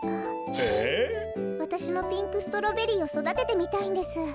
わたしもピンクストロベリーをそだててみたいんです。